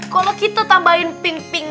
kalau kita tambahin pink pink